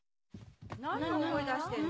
何大声出してんの？